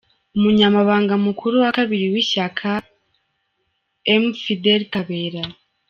Umunyamabanga mukuru wa kabiri w’Ishyaka : M. Fidèle Kabera